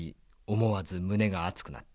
思わず胸が熱くなった。